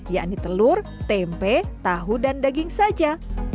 yakni telur tempe tahu dan daging saja